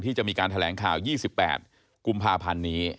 จะมีการแถลงข่าว๒๘กุมภาพันธ์นี้